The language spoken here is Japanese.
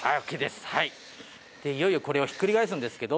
いよいよこれをひっくり返すんですけど。